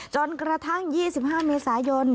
จนกระทั่ง๒๕เมษายน